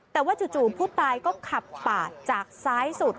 แต่ว่าจู่ผู้ตายก็ขับปาดจากซ้ายสุด